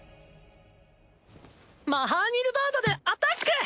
マハーニルヴァーナでアタック！